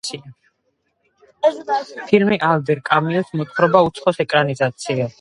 ფილმი ალბერ კამიუს მოთხრობა „უცხოს“ ეკრანიზაციაა.